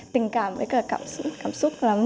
tình cảm với cả cảm xúc lắm